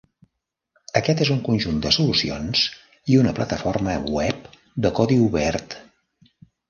Aquest és un conjunt de solucions i una plataforma web de codi obert.